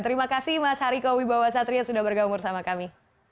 terima kasih mas hariko wibawa satria sudah bergabung bersama kami